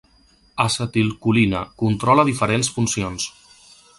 Acetilcolina: controla diferents funcions.